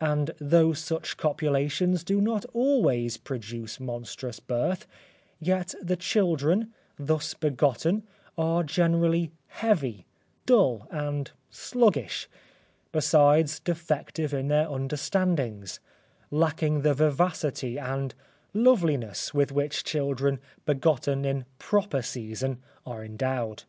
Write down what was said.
And though such copulations do not always produce monstrous birth, yet the children, thus begotten, are generally heavy, dull, and sluggish, besides defective in their understandings, lacking the vivacity and loveliness with which children begotten in proper season are endowed.